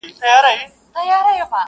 دا ماته هینداره جوړومه نور ,